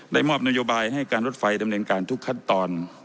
มอบนโยบายให้การรถไฟดำเนินการทุกขั้นตอน